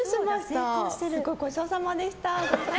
ごちそうさまでした。